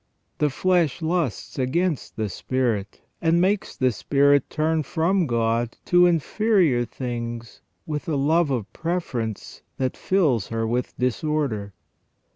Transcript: The flesh lusts against the spirit, and makes the spirit turn from God to inferior things with a love of preference that fills her with disorder.